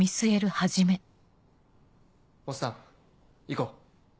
おっさん行こう。